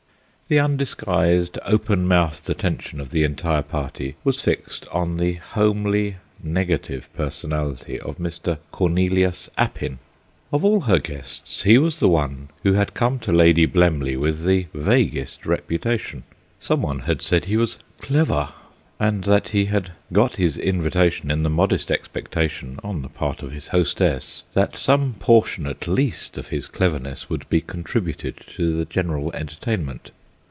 The undisguised openmouthed attention of the entire party was fixed on the homely negative personality of Mr. Cornelius Appin. Of all her guests, he was the one who had come to Lady Blemley with the vaguest reputation. Some one had said he was "clever," and he had got his invitation in the moderate expectation, on the part of his hostess, that some portion at least of his cleverness would be contributed to the general entertainment.